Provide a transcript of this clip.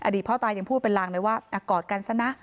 พ่อตายังพูดเป็นรางเลยว่ากอดกันซะนะ